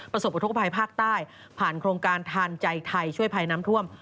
ประสบอุทธกภัยภาคใต้ผ่านโครงการทานใจไทยช่วยภัยน้ำท่วม